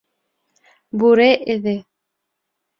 Бүре эҙе.